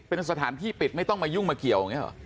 เป็นสถานที่ปิดไม่ต้องมายุ่งมาเกี่ยวอย่างนี้หรอ